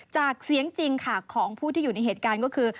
จากเสียงจริงค่ะของผู้ที่อยู่ในเหตุการณ์ก็คือ